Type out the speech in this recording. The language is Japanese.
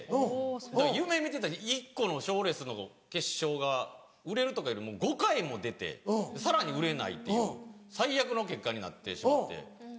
だから夢見てた１個の賞レースの決勝が売れるとかよりも５回も出てさらに売れないっていう最悪の結果になってしまって。